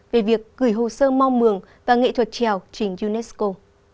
về việc gửi hồ sơ mong mường và nghệ thuật trèo trình unesco